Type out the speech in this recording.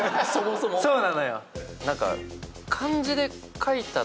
そうなのよ。